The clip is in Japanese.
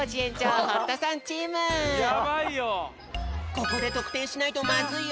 ここでとくてんしないとまずいよ。